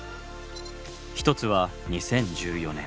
一つは２０１４年。